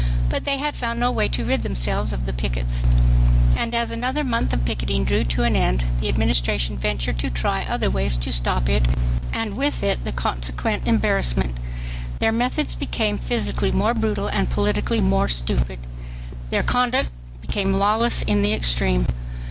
But they had found no way to rid themselves of the pickets. And as another month of picketing drew to an end the Administration ventured to try other ways to stop it and with it the consequent embarrassment. Their methods became physically more brutal and politically more stupid. Their conduct became lawless in the extreme.